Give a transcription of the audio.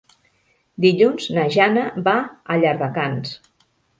Dilluns na Jana va a Llardecans.